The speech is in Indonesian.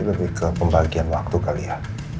lebih ke pembagian waktu kali ya